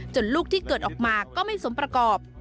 ลูกที่เกิดออกมาก็ไม่สมประกอบ